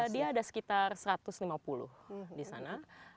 dia ada sekitar satu ratus lima puluh di sana